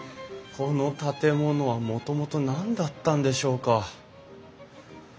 この建物はもともと何だったんでしょうか？